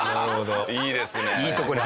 いいですね。